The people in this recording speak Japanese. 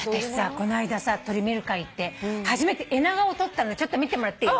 この間鳥見る会行って初めてエナガを撮ったのでちょっと見てもらっていい？